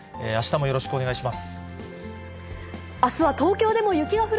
あしたもよろしくお願いします。